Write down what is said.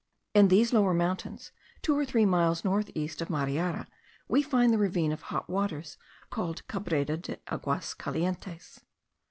In these lower mountains, two or three miles north east of Mariara, we find the ravine of hot waters called Quebrada de Aguas Calientes.